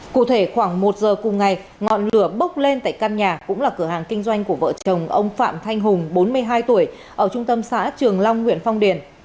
cụ thể khoảng một giờ cùng ngày ngọn lửa bốc lên tại căn nhà cũng là cửa hàng kinh doanh của vợ chồng ông phạm thanh hùng bốn mươi hai tuổi ở trung tâm xã trường long huyện phong điền